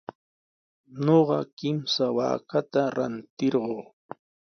Ñuqa kimsa waakata rantirquu.